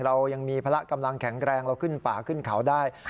เรายังมีพละกำลังแข็งแรงเราขึ้นป่าขึ้นเขาได้